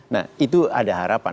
nah itu ada harapan